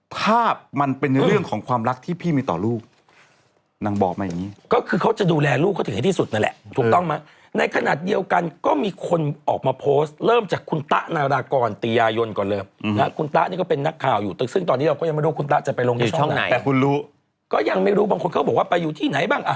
ภาพมันเป็นเรื่องของความรักที่พี่มีต่อลูกนางบอกมาอย่างนี้ก็คือเขาจะดูแลลูกเขาถึงให้ที่สุดนั่นแหละถูกต้องไหมในขณะเดียวกันก็มีคนออกมาโพสต์เริ่มจากคุณตะนารากรตียายนก่อนเลยคุณตะนี่ก็เป็นนักข่าวอยู่ซึ่งตอนนี้เราก็ยังไม่รู้ว่าคุณตะจะไปลงที่ช่องไหนแต่คุณรู้ก็ยังไม่รู้บางคนเขาบอกว่าไปอยู่ที่ไหนบ้างอ่ะ